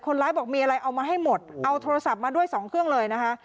บอกมีอะไรเอามาให้หมดเอาโทรศัพท์มาด้วยสองเครื่องเลยนะคะ